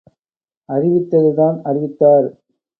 அறிவித்தது தான் அறிவித்தார்!